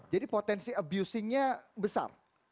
jadi potensi abusingnya besar